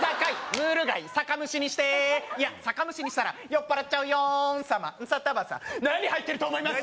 ムール貝酒蒸しにしていや酒蒸しにしたら酔っ払っちゃうヨーン様ンサタバサ何入ってると思います？